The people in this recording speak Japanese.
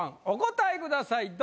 １お答えください